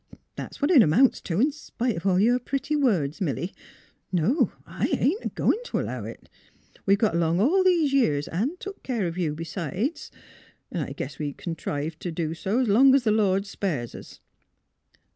" That's what it amounts to, in spite of all your pretty words, Milly. No; I ain't a goin' t' allow it. We've got along all these years, an' took care of you b 'sides; an' I guess we c'n contrive 's long 's the Lord spares us."